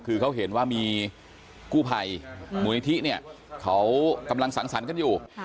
คือเขาเห็นว่ามีกู้ภัยมูลนิธิเนี่ยเขากำลังสังสรรค์กันอยู่